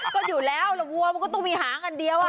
ก็อยู่แล้วแล้ววัวมันก็ต้องมีหางอันเดียว